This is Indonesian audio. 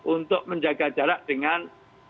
untuk menjaga jarak dengan